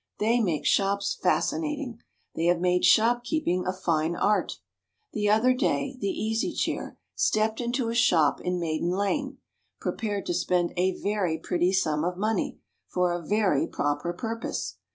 They make shops fascinating. They have made shopkeeping a fine art. The other day the Easy Chair stepped into a shop in Maiden Lane, prepared to spend a very pretty sum of money, for a very proper purpose.